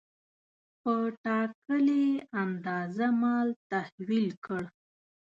په ټاکلې اندازه مال تحویل کړ.